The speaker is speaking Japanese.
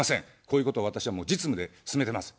こういうことを私は実務で進めてます。